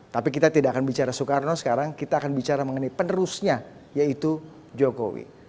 tapi kita tidak akan bicara soekarno sekarang kita akan bicara mengenai penerusnya yaitu jokowi